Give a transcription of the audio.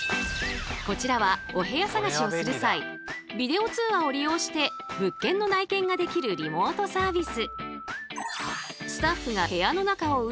こちらはお部屋探しをする際ビデオ通話を利用して物件の内見ができるリモートサービス。